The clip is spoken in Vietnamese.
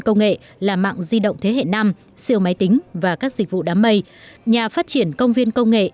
công nghệ là mạng di động thế hệ năm siêu máy tính và các dịch vụ đám mây nhà phát triển công viên công nghệ